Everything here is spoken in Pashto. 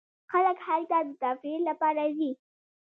خلک هلته د تفریح لپاره ځي.